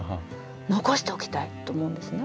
残しておきたい」と思うんですね。